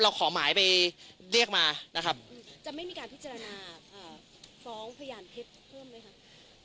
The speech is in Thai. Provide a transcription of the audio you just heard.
ขอหมายไปเรียกมานะครับจะไม่มีการพิจารณาฟ้องพยานเท็จเพิ่มไหมคะ